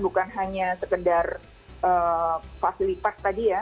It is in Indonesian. bukan hanya sekedar fasilitas tadi ya